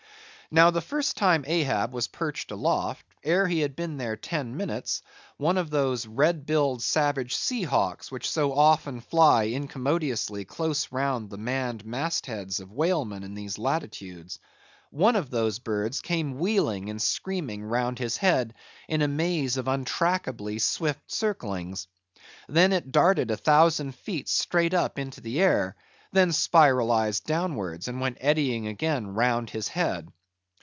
Now, the first time Ahab was perched aloft; ere he had been there ten minutes; one of those red billed savage sea hawks which so often fly incommodiously close round the manned mast heads of whalemen in these latitudes; one of these birds came wheeling and screaming round his head in a maze of untrackably swift circlings. Then it darted a thousand feet straight up into the air; then spiralized downwards, and went eddying again round his head.